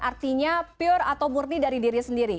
artinya pure atau murni dari diri sendiri